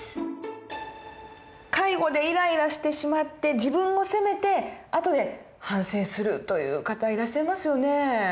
介護でイライラしてしまって自分を責めて後で反省するという方いらっしゃいますよね。